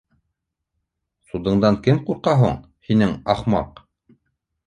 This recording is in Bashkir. Судыңдан кем ҡурҡа һуң һинең, ахмаҡ.